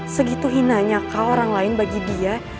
segitu hinanya kau orang lain bagi dia